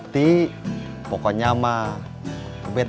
dia pun kayak wameng